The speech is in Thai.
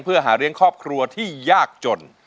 เพื่อหาเลี้ยงครอบครัวที่ยากจน